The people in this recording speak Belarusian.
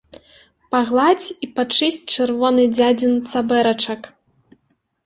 Пагладзь і пачысць чырвоны дзядзін цабэрачак.